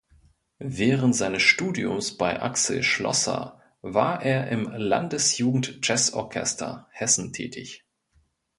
Während seines Studiums bei Axel Schlosser war er im Landesjugendjazzorchester Hessen tätig.